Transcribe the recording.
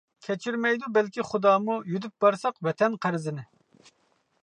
كەچۈرمەيدۇ بەلكى خۇدامۇ، يۈدۈپ بارساق ۋەتەن قەرزىنى.